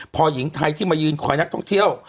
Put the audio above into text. พอหญิงไทยที่มายืนคอยนักท่องเที่ยว